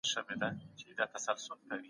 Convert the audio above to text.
تاسو باید په خپلو کارونو کي ډېر هوښیار اوسئ.